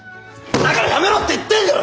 だからやめろって言ってんだろ！